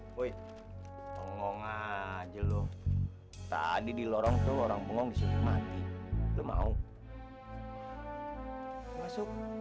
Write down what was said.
woi ngomong aja lu tadi di lorong tuh orang bengong disuruh mati mau masuk